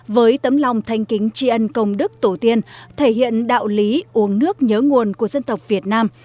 với tấm lòng thanh kính tri ân công đức tổ tiên thể hiện đạo lý uống nước nhớ nguồn của dân tộc việt nam